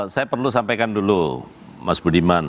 saya perlu sampaikan dulu mas budiman